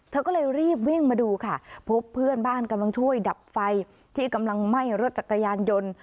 เธอก็เลยรีบวิ่งมาดูค่ะพบเพื่อนบ้านกำลังช่วยดับไฟที่กำลังไหม้รถจักรยานยนต์